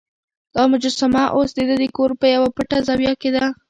دا مجسمه اوس د ده د کور په یوه پټه زاویه کې ده.